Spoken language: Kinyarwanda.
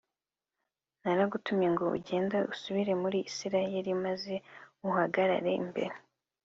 Naragutumye ngo ugende usubire muri Isirayeli maze uhagarare imbere